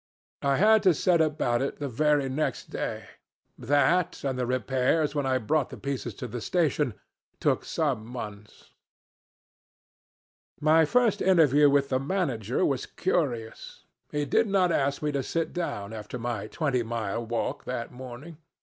I had to set about it the very next day. That, and the repairs when I brought the pieces to the station, took some months. "My first interview with the manager was curious. He did not ask me to sit down after my twenty mile walk that morning.